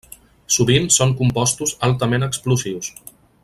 Sovint són compostos altament explosius.